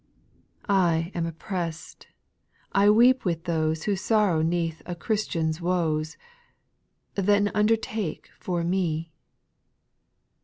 I am oppressed ; I weep with those Who sorrow 'neath a Christian's woes ; Then undertake for me I 4.